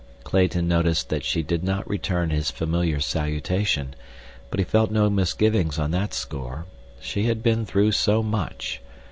Clayton noticed that she did not return his familiar salutation, but he felt no misgivings on that score. She had been through so much.